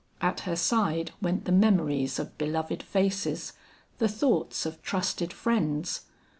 At her side went the memories of beloved faces, the thoughts of trusted friends.